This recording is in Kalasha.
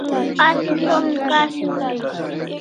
Asi som kasiu dai